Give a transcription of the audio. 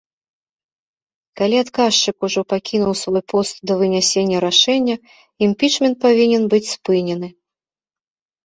Калі адказчык ужо пакінуў свой пост да вынясення рашэння, імпічмент павінен быць спынены.